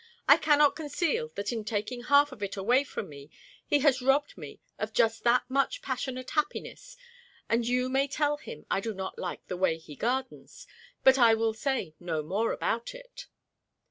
I cannot conceal that in taking half of it away from me he has robbed me of just that much passionate happiness, and you may tell him I do not like the way he gardens, but I will say no more about it!"